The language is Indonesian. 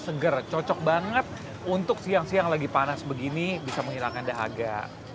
seger cocok banget untuk siang siang lagi panas begini bisa menghilangkan dahaga